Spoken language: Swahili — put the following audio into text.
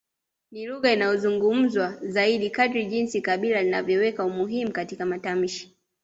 Ni lugha inayozungumzwa zaidi kadri jinsi kabila linavyoweka umuhimu katika matamshi